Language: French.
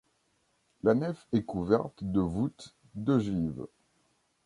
La nef est couverte de voûtes d'ogives.